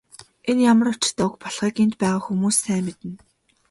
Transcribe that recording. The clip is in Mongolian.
Энэ ямар учиртай үг болохыг энд байгаа хүмүүс сайн мэднэ.